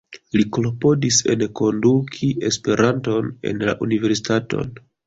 Li klopodis enkonduki Esperanton en la universitaton.